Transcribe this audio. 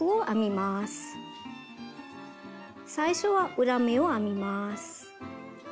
最初は裏目を編みます。